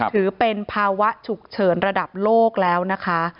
ถือเป็นภาวะฉุกเฉินระดับโลกแล้วนะคะ